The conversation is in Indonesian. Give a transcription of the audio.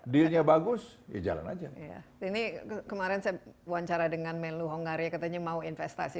dealnya bagus ya jalan aja iya ini kemarin saya wawancara dengan menlu hongaria katanya mau investasi